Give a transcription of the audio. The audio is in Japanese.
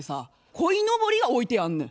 こいのぼりが置いてあんねん。